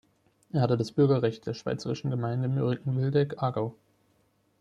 Er hatte das Bürgerrecht der schweizerischen Gemeinde Möriken-Wildegg, Aargau.